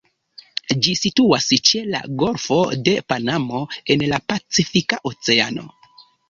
Ĝi situas ĉe la Golfo de Panamo en la Pacifika Oceano.